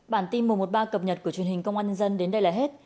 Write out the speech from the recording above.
bản tin mùa một ba cập nhật của truyền hình công an nhân dân đến đây là hết